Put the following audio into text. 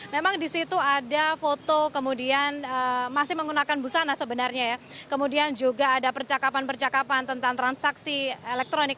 memang di situ ada foto kemudian masih menggunakan busana sebenarnya ya kemudian juga ada percakapan percakapan tentang transaksi elektronik